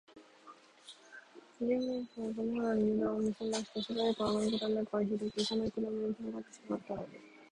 二十面相は明智のゆだんを見すまして、すばやく穴ぐらのかくしぶたをひらき、その暗やみの中へころがりこんでしまったのです